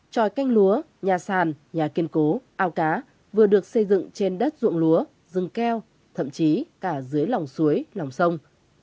tròi canh lúa nhà sàn nhà kiên cố ao cá vừa được xây dựng trên đất ruộng lúa rừng keo thậm chí cả dưới lòng suối lòng sông